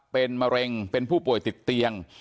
เป็นมะเร็งเป็นผู้ป่วยติดเตียง